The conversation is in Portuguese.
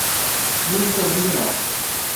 Música original.